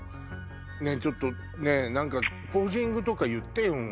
ちょっとねぇ何かポージングとか言ってよ。